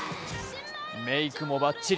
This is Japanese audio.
メークもばっちり。